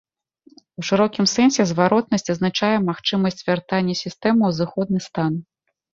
У шырокім сэнсе зваротнасць азначае магчымасць вяртання сістэмы ў зыходны стан.